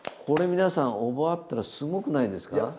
これ皆さん覚えたらすごくないですか？